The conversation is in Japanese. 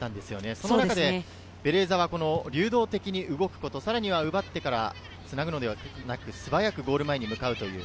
その中でベレーザは流動的に動くこと、奪ってからつなぐのではなく、素早くゴール前に向かう。